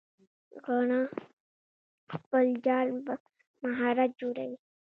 غڼه خپل جال په مهارت جوړوي